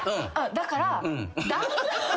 「だから」